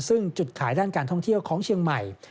ซึ่งจุดขายด้านการท่องเที่ยวของเชียงใหม่